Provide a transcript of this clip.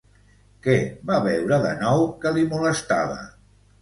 Què va veure de nou, que li molestava?